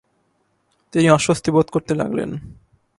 তিনি অস্বস্তি বোধ করতে লাগলেন।